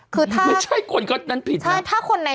ไม่ใช่คนนั้นผิดนะ